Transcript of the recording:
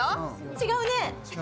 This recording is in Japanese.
違うね。